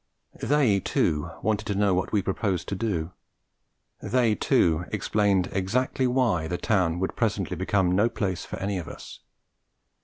They, too, wanted to know what we proposed to do; they, too, explained exactly why the town would presently become no place for any of us.